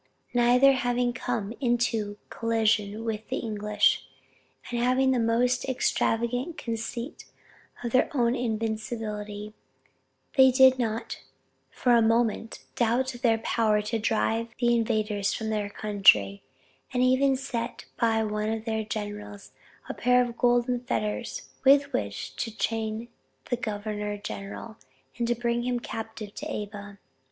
Never having come into collision with the English, and having the most extravagant conceit of their own invincibility, they did not for a moment doubt their power to drive the invaders from their country; and even sent by one of their generals a pair of golden fetters with which to chain the governor general, and bring him captive to Ava.